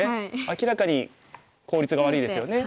明らかに効率が悪いですよね。